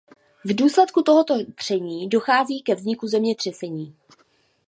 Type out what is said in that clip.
V důsledku tohoto tření dochází ke vzniku zemětřesení.